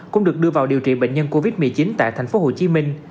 cũng được đưa vào điều trị bệnh nhân covid một mươi chín tại thành phố hồ chí minh